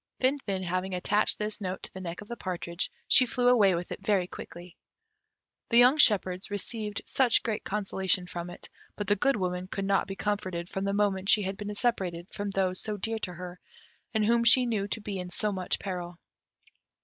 Finfin having attached this note to the neck of the partridge, she flew away with it very quickly. The young shepherds received great consolation from it, but the Good Woman could not be comforted from the moment she had been separated from those so dear to her, and whom she knew to be in so much peril.